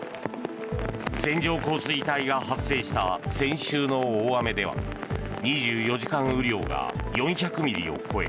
線状降水帯が発生した先週の大雨では２４時間雨量が４００ミリを超え